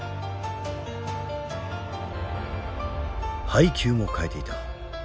配球も変えていた。